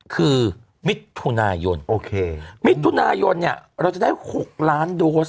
คือมิถุนายนมิถุนายนเนี่ยเราจะได้๖ล้านโดส